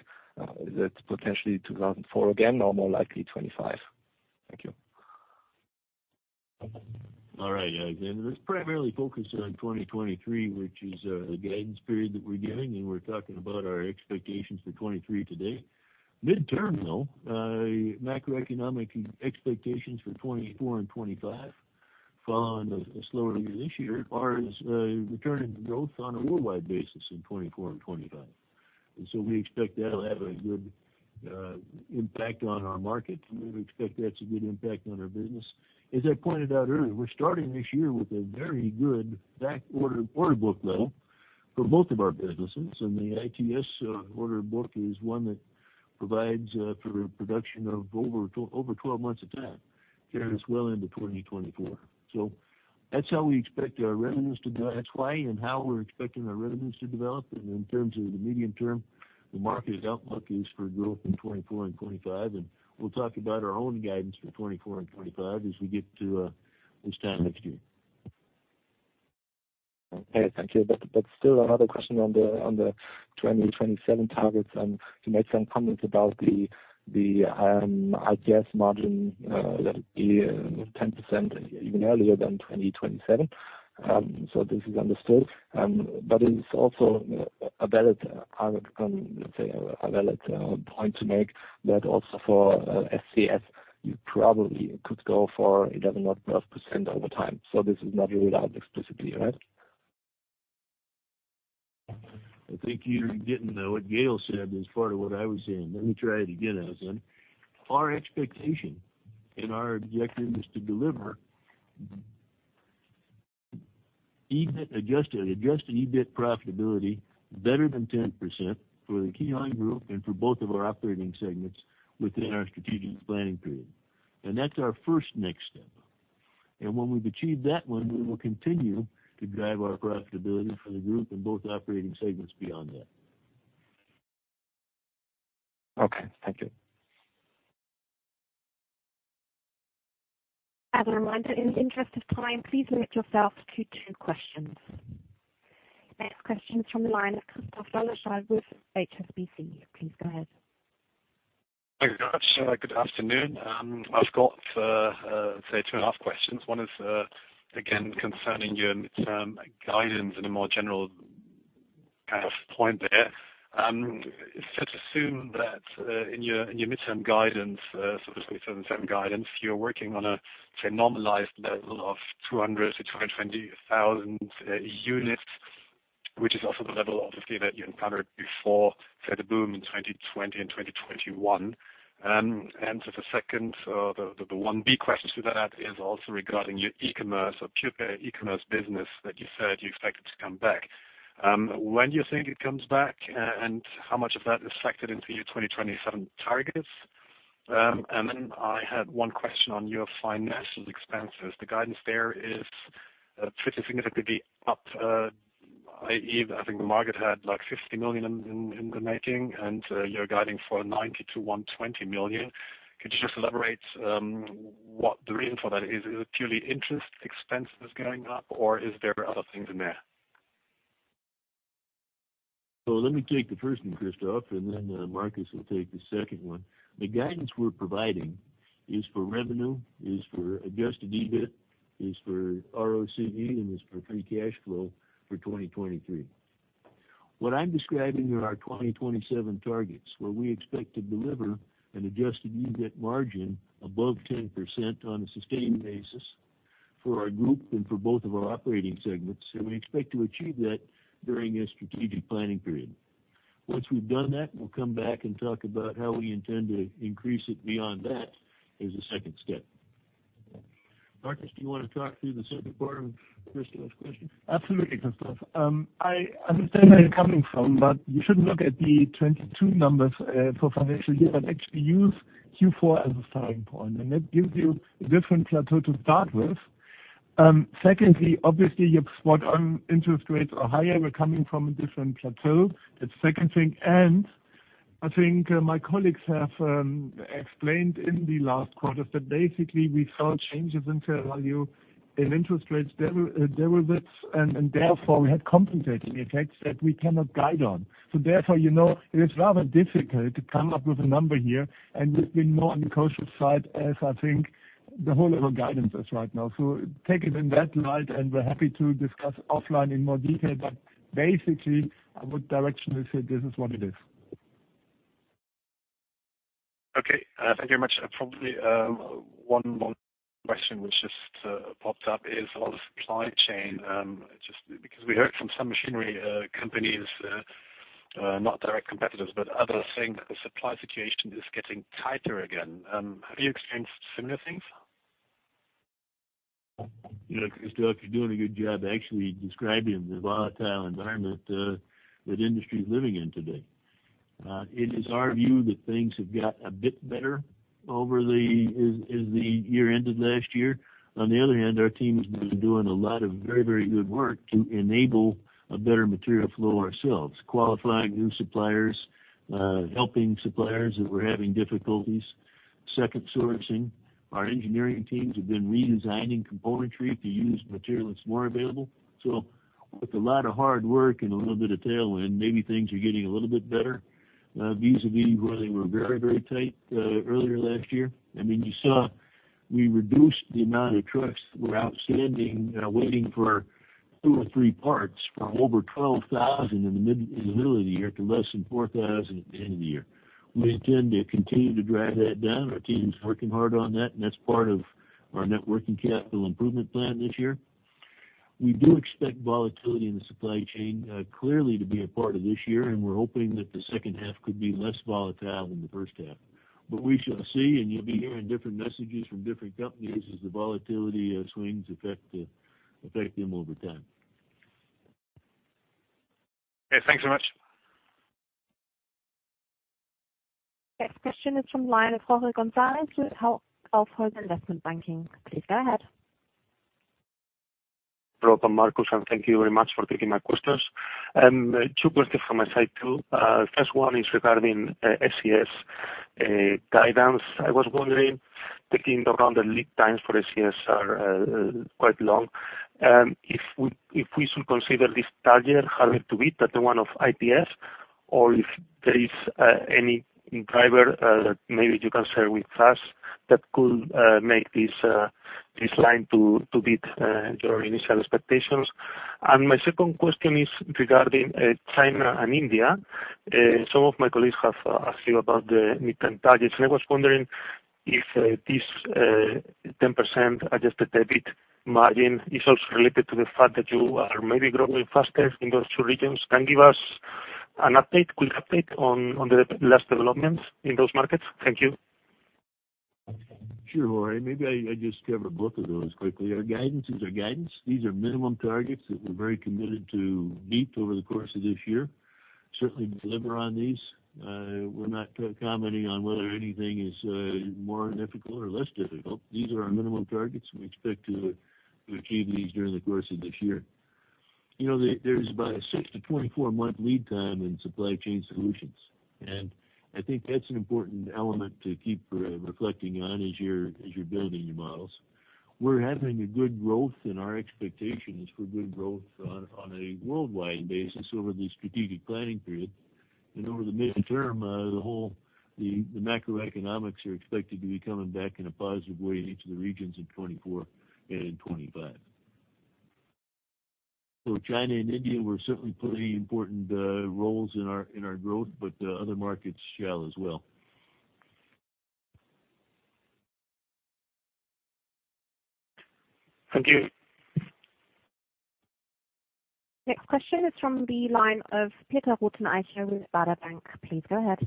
Is it potentially 2004 again, or more likely 2025? Thank you. All right. again, let's primarily focus on 2023, which is, the guidance period that we're giving, and we're talking about our expectations for 2023 today. Midterm though, macroeconomic expectations for 2024 and 2025, following a slower year this year, are returning to growth on a worldwide basis in 2024 and 2025. we expect that'll have a good impact on our market, and we expect that's a good impact on our business. As I pointed out earlier, we're starting this year with a very good back order order book level for both of our businesses. the ITS, order book is one that provides, for production of over 12 months of time. Carries well into 2024. that's how we expect our revenues to go. That's why and how we're expecting our revenues to develop. In terms of the medium term, the market outlook is for growth in 2024 and 2025, and we'll talk about our own guidance for 2024 and 2025 as we get to this time next year. Okay, thank you. Still another question on the 2027 targets and you made some comments about the ITS margin that be 10% even earlier than 2027. This is understood. It is also a valid, let's say, a valid point to make that also for SCS, you probably could go for 11% or 12% over time. This is not ruled out explicitly, right? I think you didn't know what Gael said as part of what I was saying. Let me try it again, Alex. Our expectation and our objective is to deliver adjusted EBIT profitability better than 10% for the KION Group and for both of our operating segments within our strategic planning period. That's our first next step. When we've achieved that one, we will continue to drive our profitability for the group and both operating segments beyond that. Okay. Thank you. As a reminder, in the interest of time, please limit yourself to two questions. Next question is from the line of Christoph Dolleschal with HSBC. Please go ahead. Thank you very much. Good afternoon. I've got two and a half questions. One is concerning your midterm guidance in a more general point there. Is it safe to assume that in your midterm guidance, you're working on a normalized level of 200,000-220,000 units, which is also the level that you encountered before the boom in 2020 and 2021. The second or the one big question to that is also regarding your e-commerce or pure-play e-commerce business that you said you expected to come back. When do you think it comes back, how much of that is factored into your 2027 targets? Then I had one question on your financial expenses. The guidance there is pretty significantly up. i.e., I think the market had, like, 50 million in the making, and you're guiding for 90 million-120 million. Could you just elaborate what the reason for that is? Is it purely interest expenses going up, or is there other things in there? Let me take the first one, Christoph, and then Marcus will take the second one. The guidance we're providing is for revenue, is for adjusted EBIT, is for ROCE, and is for free cash flow for 2023. What I'm describing are our 2027 targets, where we expect to deliver an adjusted EBIT margin above 10% on a sustained basis for our group and for both of our operating segments. We expect to achieve that during a strategic planning period. Once we've done that, we'll come back and talk about how we intend to increase it beyond that as a second step. Marcus, do you wanna talk through the second part of Christoph's question? Absolutely, Christoph. I understand where you're coming from, you should look at the 22 numbers for financial year and actually use Q4 as a starting point, that gives you a different plateau to start with. Secondly, obviously, your spot on interest rates are higher. We're coming from a different plateau. That's second thing. I think my colleagues have explained in the last quarter that basically we saw changes in fair value in interest rates derivatives, therefore we had compensating effects that we cannot guide on. Therefore, you know, it is rather difficult to come up with a number here, we've been more on the cautious side as I think the whole level guidance is right now. Take it in that light, we're happy to discuss offline in more detail. Basically, I would directionally say this is what it is. Okay. Thank you very much. Probably, one more question which just popped up is on the supply chain, just because we heard from some machinery companies, not direct competitors, but others saying that the supply situation is getting tighter again. Have you experienced similar things? You know, Christoph, you're doing a good job actually describing the volatile environment that industry is living in today. It is our view that things have got a bit better as the year ended last year. On the other hand, our team has been doing a lot of very, very good work to enable a better material flow ourselves, qualifying new suppliers, helping suppliers that were having difficulties, second sourcing. Our engineering teams have been redesigning componentry to use material that's more available. With a lot of hard work and a little bit of tailwind, maybe things are getting a little bit better vis-à-vis where they were very, very tight earlier last year. I mean, you saw we reduced the amount of trucks that were outstanding, waiting for two or three parts from over 12,000 in the middle of the year to less than 4,000 at the end of the year. We intend to continue to drive that down. Our team is working hard on that, and that's part of our net working capital improvement plan this year. We do expect volatility in the supply chain, clearly to be a part of this year, and we're hoping that the second half could be less volatile than the first half. We shall see, and you'll be hearing different messages from different companies as the volatility swings affect them over time. Okay. Thanks so much. Next question is from the line of Jorge Gonzalez with Hauck Aufhäuser Investment Banking. Please go ahead. Hello, Marcus, and thank you very much for taking my questions. Two questions from my side, too. First one is regarding SCS guidance. I was wondering, thinking around the lead times for SCS are quite long. If we should consider this target having to be that the one of ITS or if there is any driver that maybe you can share with us that could make this line to beat your initial expectations? My second question is regarding China and India. Some of my colleagues have asked you about the midterm targets. I was wondering if this 10% adjusted EBIT margin is also related to the fact that you are maybe growing faster in those two regions? Can you give us an update, quick update on the last developments in those markets? Thank you. Sure, Jorge. Maybe I just cover both of those quickly. Our guidance is our guidance. These are minimum targets that we're very committed to meet over the course of this year. Certainly deliver on these. We're not commenting on whether anything is more difficult or less difficult. These are our minimum targets. We expect to achieve these during the course of this year. You know, there's about a six to 24 month lead time in supply chain solutions. I think that's an important element to keep rreflecting on as you're, as you're building your models. We're having a good growth, and our expectation is for good growth on a worldwide basis over the strategic planning period. Over the midterm, the whole, the macroeconomics are expected to be coming back in a positive way in each of the regions in 2024 and in 2025. China and India were certainly pretty important roles in our growth, but other markets shall as well. Thank you. Next question is from the line of Peter Rothenaicher with Baader Bank. Please go ahead.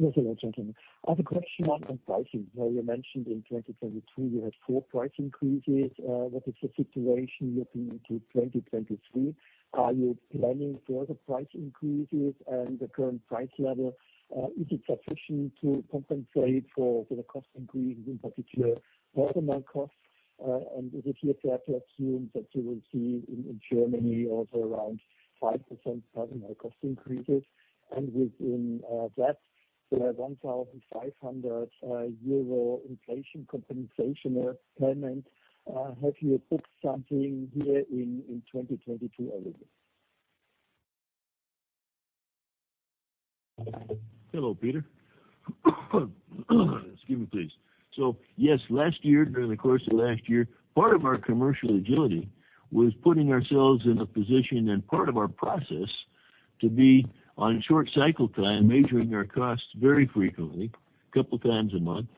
Yes, hello, gentlemen. I have a question on pricing. You mentioned in 2022 you had four price increases. What is the situation looking into 2023? Are you planning further price increases? The current price level is it sufficient to compensate for the cost increase, in particular, personnel costs? Is it fair to assume that you will see in Germany also around 5% personnel cost increases? Within that 1,500 euro inflation compensation payment, have you booked something here in 2022 already? Hello, Peter. Excuse me, please. Yes, last year, during the course of last year, part of our commercial agility was putting ourselves in a position and part of our process to be on short cycle time, measuring our costs very frequently, couple times a month,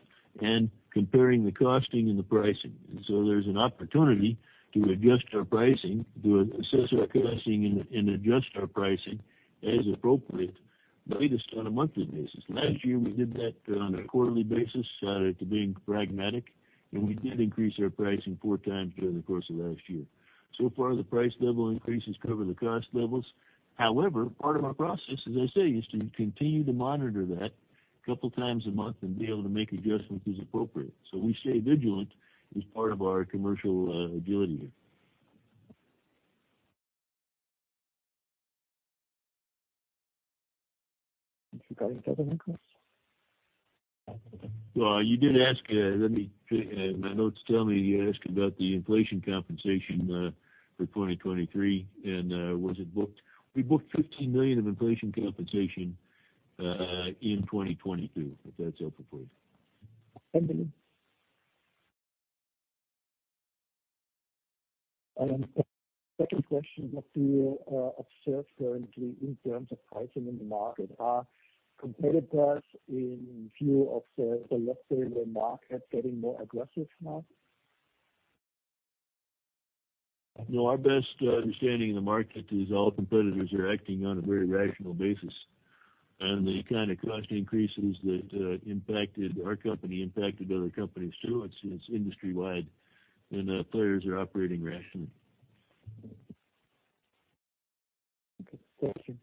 and comparing the costing and the pricing. There's an opportunity to adjust our pricing, to assess our pricing and adjust our pricing as appropriate, by just on a monthly basis. Last year, we did that on a quarterly basis, to being pragmatic, and we did increase our pricing 4x during the course of last year. So far, the price level increases cover the cost levels. Part of our process, as I say, is to continue to monitor that couple times a month and be able to make adjustments as appropriate. We stay vigilant as part of our commercial agility here. Regarding personnel costs? Well, you did ask. My notes tell me you asked about the inflation compensation for 2023. Was it booked? We booked 15 million of inflation compensation in 2022, if that's helpful for you. Thank you. Second question, what do you observe currently in terms of pricing in the market? Are competitors in view of the lesser market getting more aggressive now? No, our best understanding of the market is all competitors are acting on a very rational basis. The kind of cost increases that impacted our company impacted other companies too. It's industry-wide, our players are operating rationally. Okay. Thank you.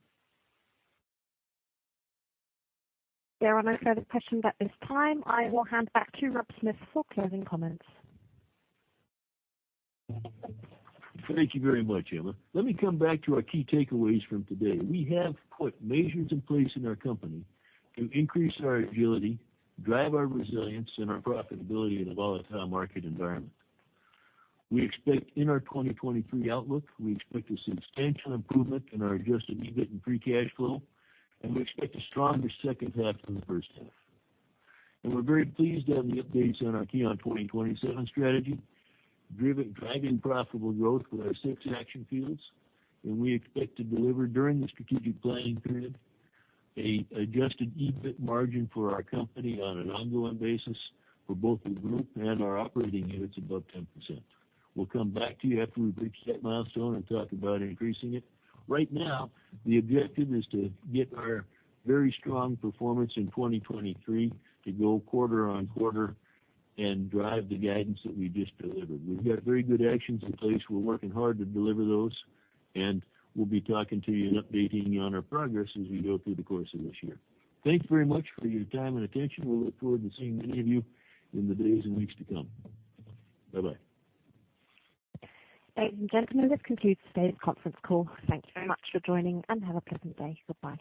There are no further questions at this time. I will hand back to Rob Smith for closing comments. Thank you very much, Emma. Let me come back to our key takeaways from today. We have put measures in place in our company to increase our agility, drive our resilience and our profitability in a volatile market environment. We expect in our 2023 outlook, we expect a substantial improvement in our adjusted EBIT and free cash flow. We expect a stronger second half than the first half. We're very pleased to have the updates on our KION 2027 strategy, driving profitable growth with our six action fields. We expect to deliver during the strategic planning period a adjusted EBIT margin for our company on an ongoing basis for both the group and our operating units above 10%. We'll come back to you after we reach that milestone and talk about increasing it. Right now, the objective is to get our very strong performance in 2023 to go quarter on quarter and drive the guidance that we just delivered. We've got very good actions in place. We're working hard to deliver those, and we'll be talking to you and updating you on our progress as we go through the course of this year. Thank you very much for your time and attention. We'll look forward to seeing many of you in the days and weeks to come. Bye-bye. Ladies and gentlemen, this concludes today's conference call. Thank you very much for joining, and have a pleasant day. Goodbye.